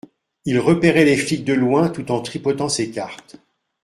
il repérait les flics de loin tout en tripotant ses cartes.